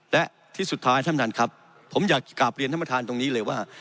และที่สุดท้ายท่านประธานครับผมอยากกลับเรียนท่านประธานตรงนี้เลยว่า